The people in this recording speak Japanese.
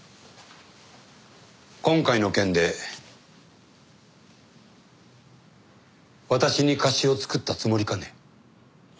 今回の件で私に貸しを作ったつもりかね？